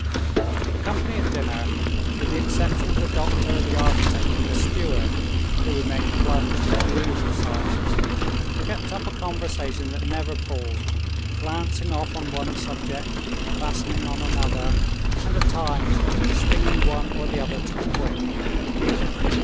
The company at dinner, with the exception of the doctor, the architect, and the steward, who remained plunged in gloomy silence, kept up a conversation that never paused, glancing off one subject, fastening on another, and at times stinging one or the other to the quick.